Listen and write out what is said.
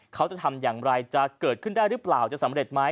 เขาจะทำอย่างไรจะเกิดขึ้นได้หรือเปล่าจะสำเร็จไหม